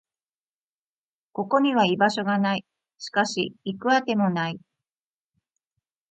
ここには居場所がない。しかし、行く当てもない。